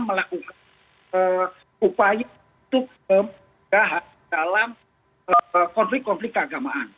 melakukan upaya untuk dalam konflik konflik keagamaan